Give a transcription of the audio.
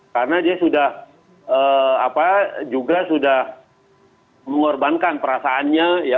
karena dia sudah apa juga sudah mengorbankan perasaannya ya